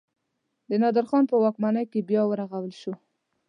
د نادر خان په واکمنۍ کې بیا ورغول شو.